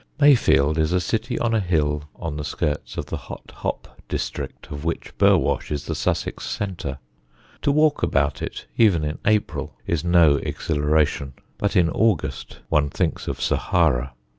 Mayfield is a city on a hill on the skirts of the hot hop district of which Burwash is the Sussex centre. To walk about it even in April is no exhilaration; but in August one thinks of Sahara.